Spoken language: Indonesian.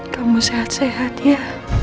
kamu sehat sehat ya